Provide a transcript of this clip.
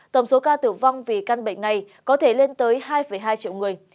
tổng số ca tử vong vì căn bệnh này có thể lên tới hai hai triệu người